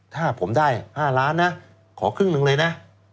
ถ้าผมได้๕ล้านนะขอครึ่งหนึ่งเลยนะ